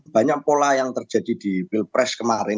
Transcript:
banyak pola yang terjadi di pilpres kemarin